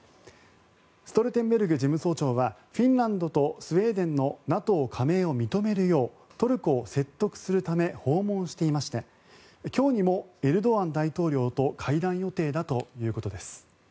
ストルテンベルグ事務総長はフィンランドとスウェーデンのＮＡＴＯ加盟を認めるようトルコを説得するため訪問していまして今日にもエルドアン大統領と会談予定だということです。